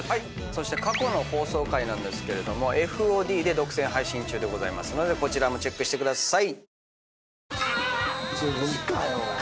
そして過去の放送回なんですがＦＯＤで独占配信中ですのでこちらもチェックしてください。